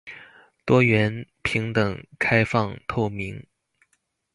多元、平等、開放、透明